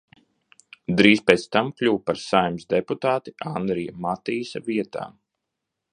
Drīz pēc tam kļuva par Saeimas deputāti Anrija Matīsa vietā.